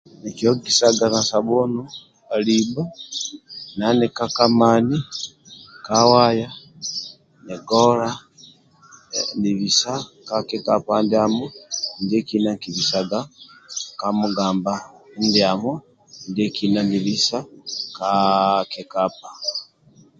Kiki hogisaga na sabuni na libho nika ka mani kawaya ni gola ni bisa kakikapa ndiamo dinkibisaga kamugabha ndiamo dhekina ni bhisa kakikapa